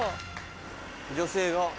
女性が。